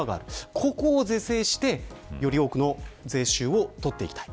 ここを是正してより多くの税収を取っていきたい。